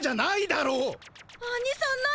アニさん何？